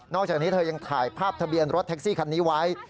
อกจากนี้เธอยังถ่ายภาพทะเบียนรถแท็กซี่คันนี้ไว้